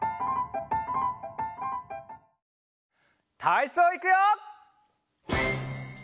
たいそういくよ！